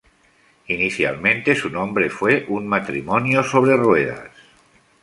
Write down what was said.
Inicialmente su nombre fue "Un matrimonio sobre ruedas".